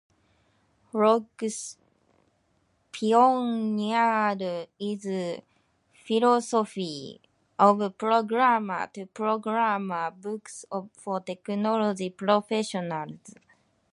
Wrox pioneered the philosophy of "Programmer to Programmer" books for technology professionals.